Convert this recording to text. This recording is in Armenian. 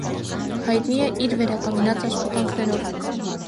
Հայտնի է իր վերականգնած աշխատանքներով։